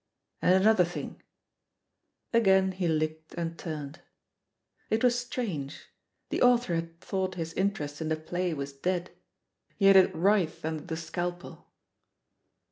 And another thing " Again he licked and turned. It was strange: the author had thought his interest in the play was dead, yet it writhed under the scalpel.